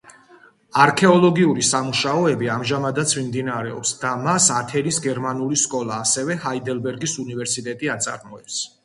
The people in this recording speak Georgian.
არქეოლოგიური სამუშაოები ამჟამადაც მიმდინარეობს და მას ათენის გერმანული სკოლა, ასევე ჰაიდელბერგის უნივერსიტეტი აწარმოებს.